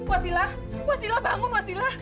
wasila wasila bangun wasila